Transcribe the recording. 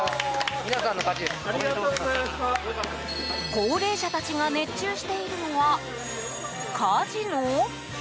高齢者たちが熱中しているのは、カジノ？